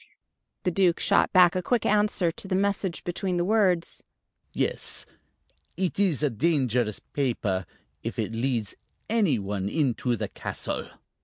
The Duke shot back a quick answer to the message between the words: "Yes, it is a dangerous paper if it leads anyone into the castle."